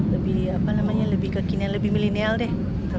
lebih apa namanya lebih kekinian lebih milenial deh